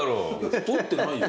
太ってないよ。